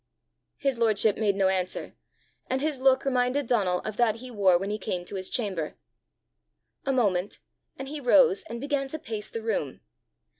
His lordship made no answer, and his look reminded Donal of that he wore when he came to his chamber. A moment, and he rose and began to pace the room.